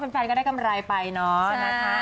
แฟนก็ได้กำไรไปนะ